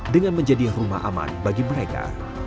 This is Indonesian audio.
dengan menjadi rumah aman bagi mereka